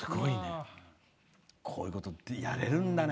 こういうことやれるんだね。